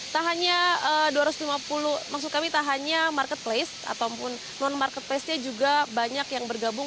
tak hanya dua ratus lima puluh maksud kami tak hanya marketplace ataupun non marketplace nya juga banyak yang bergabung